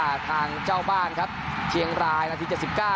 แสดงว่าทางเจ้าบ้านครับเชียงรายนาที๗๙